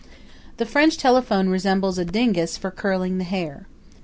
The French telephone resembles a dingus for curling the hair.